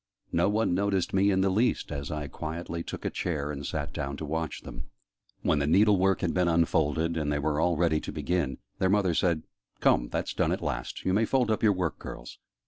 No one noticed me in the least, as I quietly took a chair and sat down to watch them. When the needle work had been unfolded, and they were all ready to begin, their mother said "Come, that's done, at last! You may fold up your work, girls."